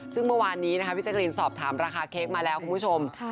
ซึ่งเมื่อวานนี้นะคะพี่แจ๊กรีนสอบถามราคาเค้กมาแล้วคุณผู้ชม